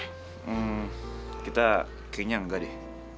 hmm kita keringin gak deh